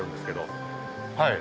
はい。